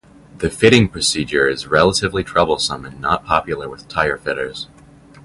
The fitting procedure is relatively troublesome and not popular with tyre fitters.